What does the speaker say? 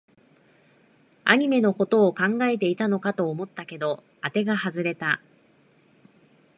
アニメのことを考えていたのかと思ったけど、あてが外れた